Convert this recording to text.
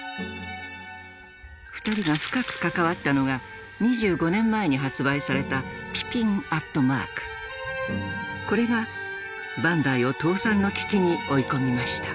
２人が深く関わったのがこれがバンダイを倒産の危機に追い込みました。